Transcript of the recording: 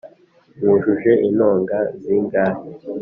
mwujuje intonga zingahe